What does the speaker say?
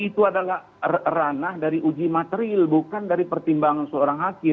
itu adalah ranah dari uji materil bukan dari pertimbangan seorang hakim